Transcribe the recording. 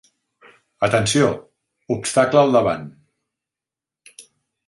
Atenció! Obstacle al davant.